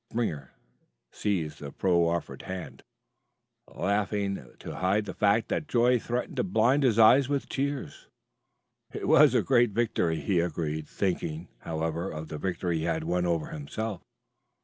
Springer seized the proffered hand, laughing to hide the fact that joy threatened to blind his eyes with tears. "It was a great victory," he agreed, thinking, however, of the victory he had won over himself.